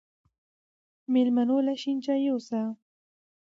مېلمنو له شين چای يوسه